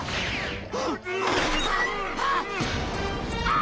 あ！